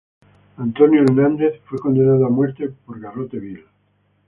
Antonio Hernández fue condenado a muerte con garrote vil.